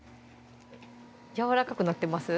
やわらかくなってます？